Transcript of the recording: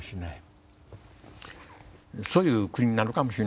そういう国になるかもしれない。